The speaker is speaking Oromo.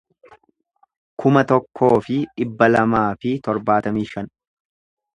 kuma tokkoo fi dhibba lamaa fi torbaatamii shan